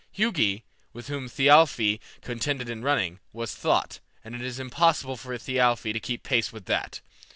Hugi, with whom Thialfi contended in running, was Thought, and it was impossible for Thialfi to keep pace with that.